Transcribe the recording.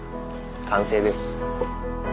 完成です。